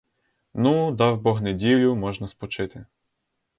Ну, дав бог неділю, можна спочити.